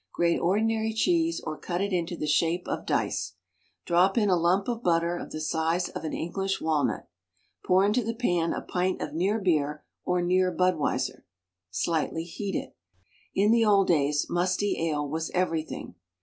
Grate ordinary cheese or cut it into the shape of dice. Drop in a lump of butter of the size of an English walnut. Pour into the pan a pint of near beer or near Budweiser. Slightly heat it. In the old days musty ale was everything.